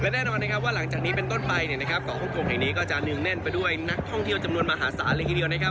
แน่นอนว่าหลังจากนี้เป็นต้นไปเนี่ยนะครับห้องโกกในนี้ก็จะหนึ่งแน่นไปด้วยนักท่องเที่ยวจำนวนมหาศาสตร์เลยครับ